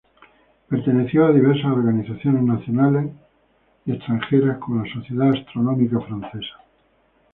Perteneció a diversas organizaciones nacionales y extranjeras como la Sociedad astronómica francesa.